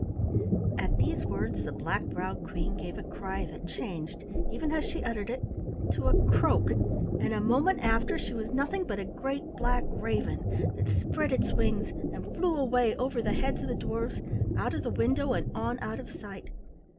At these words the black browed Queen gave a cry that changed, even as she uttered it, to a croak, and a moment after she was nothing but a great black raven that spread its wings, and flew away over the heads of the dwarfs, out of the window and on out of sight.